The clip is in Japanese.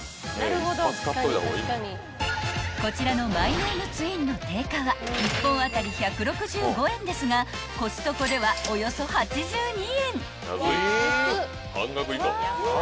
［こちらのマイネームツインの定価は１本当たり１６５円ですがコストコではおよそ８２円］えーっ！？